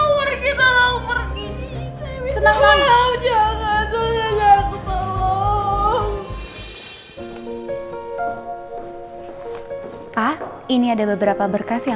sampai jumpa di video selanjutnya